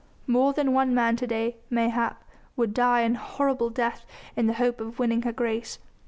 More than one man to day, mayhap, would die an horrible death in the hope of winning her grace.